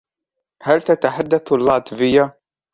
هل تتحدث اللاتفية ؟